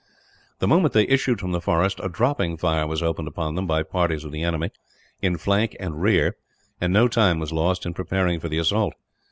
The moment they issued from the forest, a dropping fire was opened upon them by parties of the enemy, in flank and rear; and no time was lost in preparing for the assault.